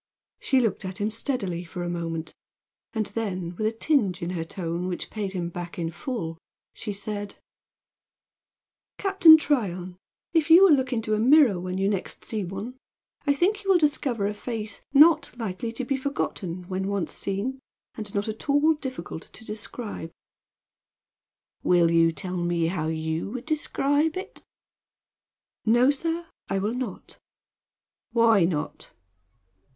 She looked at him steadily for a moment, and then, with a tinge in her tone which paid him back in full, she said: "Captain Tryon, if you will look into a mirror when you next see one I think you will discover a face not likely to be forgotten when once seen, and not at all difficult to describe." "Will you tell me how you would describe it?" "No, sir. I will not." "Why not?"